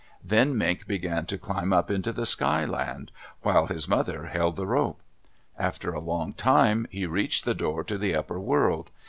Then Mink began to climb up into the Sky Land, while his mother held the rope. After a long time he reached the door to the upper world.